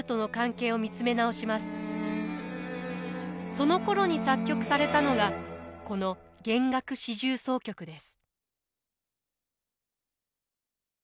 そのころに作曲されたのがこの弦楽四重奏曲です。